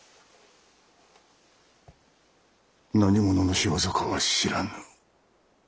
何者の仕業かは知らぬ。